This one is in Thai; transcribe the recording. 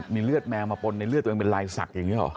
มีเลือดแมวมาปนในเลือดตัวเองเป็นลายศักดิ์อย่างนี้หรอ